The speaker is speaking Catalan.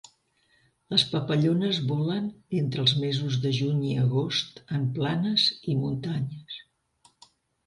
Les papallones volen entre els mesos de juny i agost en planes i muntanyes.